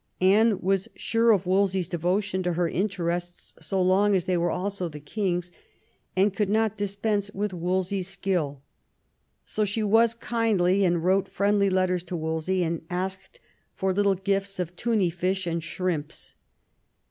Anne was sure of Wolsey's devotion to her interests so long as they were also the king's, and could not dispense with Wolsey's skill. So she was kindly, and wrote friendly letters to Wolsey, and asked for little gifts of tunny fish and shrimps.